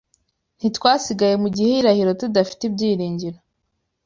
ntitwasigaye mu gihirahiro tudafite ibyiringiro.